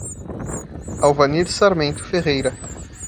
Alvanir Sarmento Ferreira